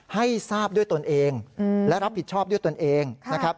ให้ทราบด้วยตนเองและรับผิดชอบด้วยตนเองนะครับ